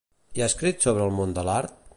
I ha escrit sobre el món de l'art?